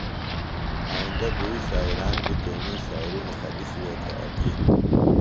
آئندہ دُوئی شاعران بیۡ تیݨی شاعری مخدوشی وے تھےۡ اٹیِن۔